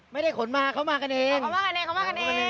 ไม่ได้ขนมาเขามากันเองเขามากันเองเขามากันเอง